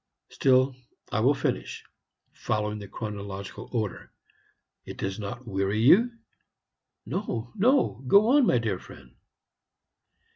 Still I will finish following chronological order. It does not weary you?" "No, no; go on, my dear friend."